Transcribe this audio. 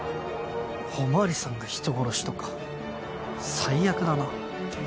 お巡りさんが人殺しとか最悪だな。